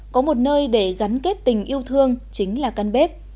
có một nơi để gắn kết tình yêu thương chính là căn bếp